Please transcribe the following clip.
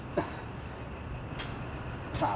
sabar dong pak penasehat